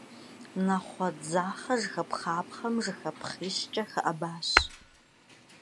Нахъуэ дзахъэ жыхапхъапхъэм жыхапхъищкӏэ хэӏэбащ.